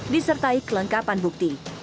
disertai kelengkapan bukti